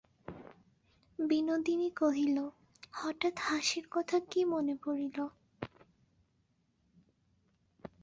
বিনোদিনী কহিল, হঠাৎ হাসির কথা কী মনে পড়িল।